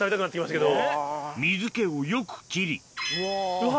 水気をよく切りうわ